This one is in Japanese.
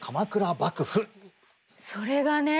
それがね